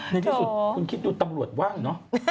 ในที่สุดคุณคิดดูตำรวจว่างเนอะ